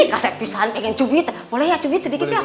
ih kaset pisang pengen cubit boleh ya cubit sedikit doang